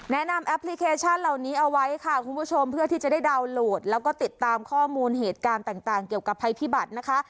แอปพลิเคชันเหล่านี้เอาไว้ค่ะคุณผู้ชมเพื่อที่จะได้ดาวน์โหลดแล้วก็ติดตามข้อมูลเหตุการณ์ต่างเกี่ยวกับภัยพิบัตรนะคะ